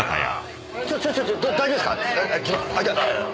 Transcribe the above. ちょっ大丈夫ですか？